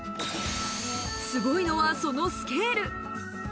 すごいのは、そのスケール。